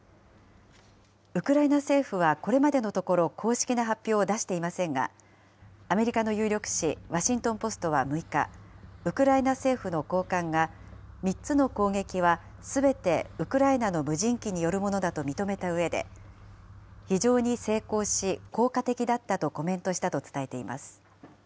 ウクライナ政府はこれまでのところ、公式な発表を出していませんが、アメリカの有力紙、ワシントン・ポストは６日、ウクライナ政府の高官が３つの攻撃はすべてウクライナの無人機によるものだと認めたうえで、非常に成功し、効果的だったとコメントしたと伝えています。